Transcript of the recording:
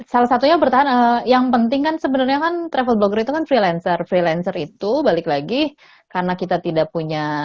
salah satunya bertahan yang penting kan sebenarnya kan travel blogger itu kan freelancer freelancer itu balik lagi karena kita tidak punya